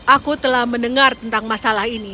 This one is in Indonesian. aku telah mendengar tentang masalah ini